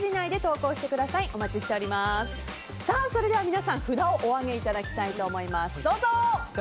それでは皆さん、札をお上げいただきたいと思います。